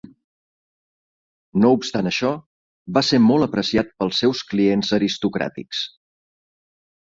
No obstant això, va ser molt apreciat pels seus clients aristocràtics.